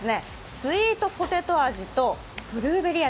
スイートポテト味とブルーベリー味。